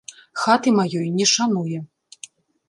Хаты маёй не шануе.